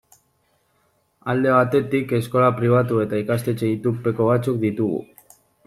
Alde batetik, eskola pribatu eta ikastetxe itunpeko batzuk ditugu.